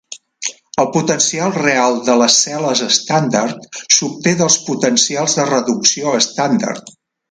El potencial real de les cel·les estàndard s'obté dels potencials de reducció estàndard.